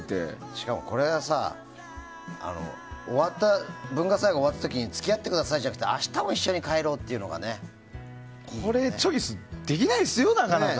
しかも、これさ文化祭が終わった時に付き合ってくださいじゃなくて明日も一緒に帰ろうってこれ、チョイスできないですよなかなか。